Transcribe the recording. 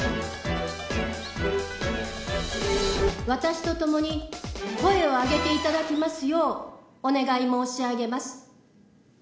私と共に声を上げて頂きますようお願い申し上げます。